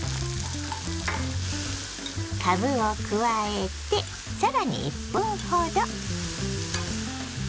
かぶを加えて更に１分ほど。